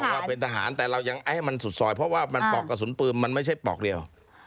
ว่าเป็นทหารแต่เรายังให้มันสุดซอยเพราะว่ามันปอกกระสุนปืนมันไม่ใช่ปอกเดียว